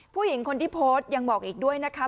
ผู้หญิงคนที่โพสต์ยังบอกอีกด้วยนะคะ